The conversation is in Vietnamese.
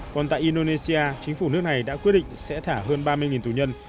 còn tại indonesia chính phủ nước này đã quyết định sẽ thả hơn ba mươi tù nhân